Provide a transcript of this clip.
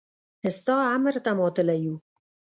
ستا امر ته ماتله يو.